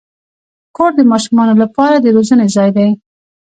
کور د ماشومانو لپاره د روزنې ځای دی.